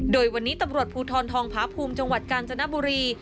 โดยวันนี้ตำรวจภูทรทองพาภูมิจังหวัดกาญจนบุรี